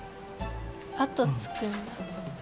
あとつくんだ。